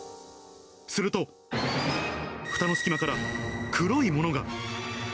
すると、ふたの隙間から黒いものが。